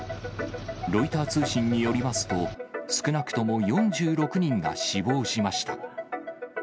ロイター通信によりますと、少なくとも４６人が死亡しました。